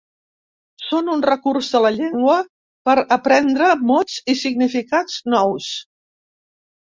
Són un recurs de la llengua per aprendre mots i significats nous.